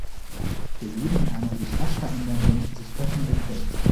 Wir leben in einer sich rasch verändernden, sich öffnenden Welt.